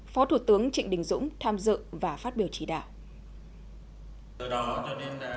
phó thủ tướng trịnh đình dũng tham dự và phát biểu chỉ đạo